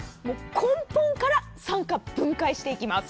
根本から酸化分解していきます。